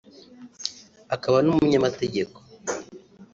akaba n’umunyamategeko